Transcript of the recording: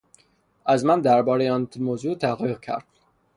از من دربارهٔ آن موضوع تحقیق کرد.